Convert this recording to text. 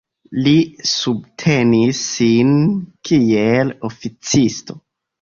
Li subtenis sin kiel oficisto.